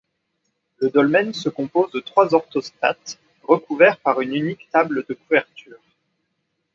Le dolmen se compose de trois orthostates recouverts par une unique table de couverture.